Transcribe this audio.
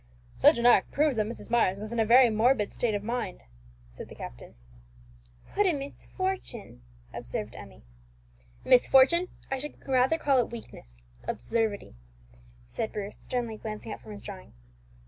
"Such an act proves that Mrs. Myers was in a very morbid state of mind," said the captain. "What a misfortune!" observed Emmie. "Misfortune! I should rather call it weakness absurdity," said Bruce, sternly glancing up from his drawing.